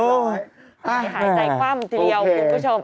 หายใจความจริงคุณผู้ชม